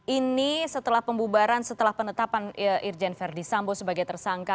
ini setelah pembubaran setelah penetapan irjen ferdisambo sebagai tersangka